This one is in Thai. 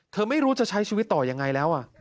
ไม่รู้จะใช้ชีวิตต่อยังไงแล้ว